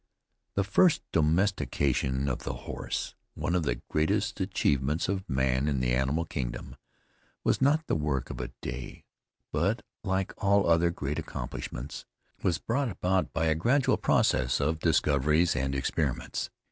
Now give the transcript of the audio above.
The first domestication of the horse, one of the greatest achievements of man in the animal kingdom, was not the work of a day; but like all other great accomplishments, was brought about by a gradual process of discoveries and experiments.